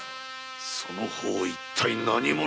その方一体何者！？